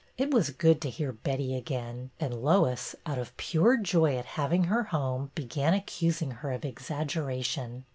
It was good to hear Betty again, and Lois, out of pure joy at having her home, began accusing her of exaggeration.